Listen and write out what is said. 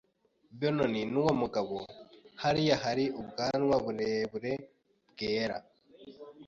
Benoni nuwo mugabo hariya hari ubwanwa burebure bwera.